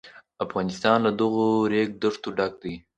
افغانستان له دغو ریګ دښتو ډک دی.